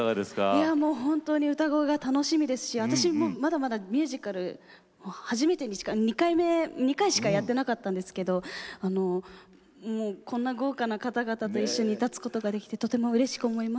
いやもう本当に歌声が楽しみですし私もまだまだミュージカル初めてに近い２回しかやってなかったんですけどもうこんな豪華な方々と一緒に立つことができてとてもうれしく思います。